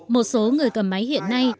một số người cầm máy hiện nay